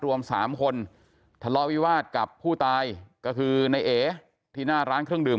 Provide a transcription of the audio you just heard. รวม๓คนทะเลาะวิวาสกับผู้ตายก็คือในเอที่หน้าร้านเครื่องดื่ม